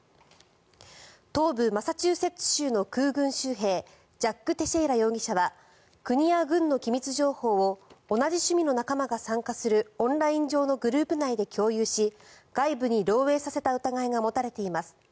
東部マサチューセッツ州の空軍州兵ジャック・テシェイラ容疑者は国や軍の機密情報を同じ趣味の仲間が参加するオンライン上のグループ内で共有し外部に漏えいさせた疑いが持たれています。